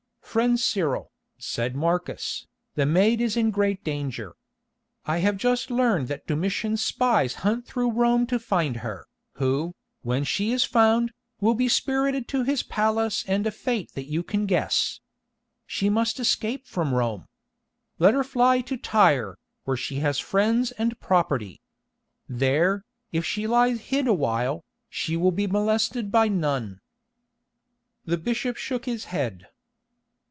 "Friend Cyril," said Marcus, "the maid is in great danger. I have just learned that Domitian's spies hunt through Rome to find her, who, when she is found, will be spirited to his palace and a fate that you can guess. She must escape from Rome. Let her fly to Tyre, where she has friends and property. There, if she lies hid a while, she will be molested by none." The bishop shook his head.